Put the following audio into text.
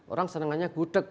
orang senangannya gudeg